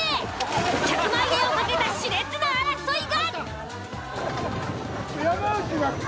１００万円を懸けたしれつな争いが。